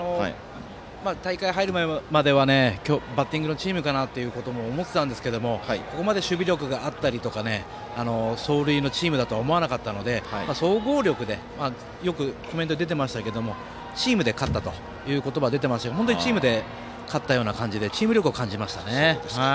大会前まではバッティングのチームかなと思ってたんですけどここまで守備力があったりとか走塁のチームだとは思わなかったので、総合力でよくコメントに出ていましたがチームで勝ったという言葉が出てまして、本当にチームで勝ったような感じでチーム力を感じましたね。